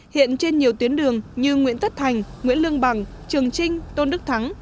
hiện trên nhiều tuyến đường như nguyễn tất thành nguyễn lương bằng trường trinh tôn đức thắng